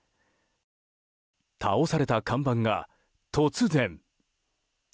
倒された看板が突然。